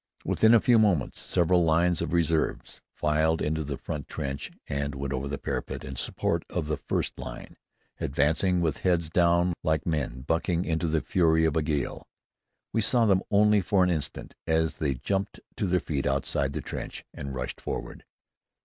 Within a few moments several lines of reserves filed into the front trench and went over the parapet in support of the first line, advancing with heads down like men bucking into the fury of a gale. We saw them only for an instant as they jumped to their feet outside the trench and rushed forward.